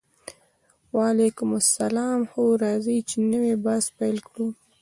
وعلیکم السلام هو راځئ چې نوی بحث پیل کړو